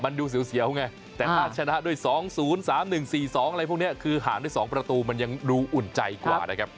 มันดูเสียวไงแต่ถ้าชนะด้วย๒๐๓๑๔๒อะไรพวกนี้คือห่างได้๒ประตูมันยังดูอุ่นใจกว่านะครับ